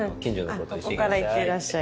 ここから「いってらっしゃい」。